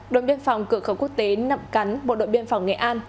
đội biên phòng cửa khẩu quốc tế nậm cắn bộ đội biên phòng nghệ an